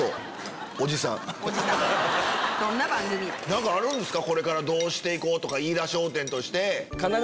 何かあるんですか？